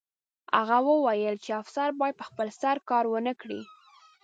هغه وویل چې افسر باید په خپل سر کار ونه کړي